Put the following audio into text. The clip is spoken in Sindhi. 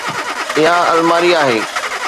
اها الماري آهي